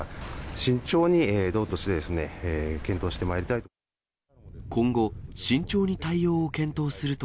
慎重に道として検討してまいりたいと。